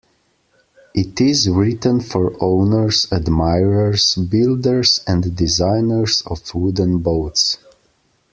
It is written for owners, admirers, builders, and designers of wooden boats.